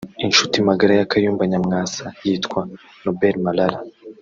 inshuti magara ya Kayumba Nyamwasa yitwa Noble Marara